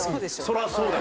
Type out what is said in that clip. そりゃそうだ